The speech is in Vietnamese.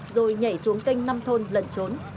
rồi nhảy xuống canh nam thôn lần trốn